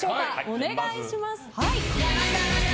お願いします。